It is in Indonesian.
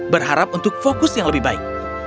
berharap untuk fokus yang lebih baik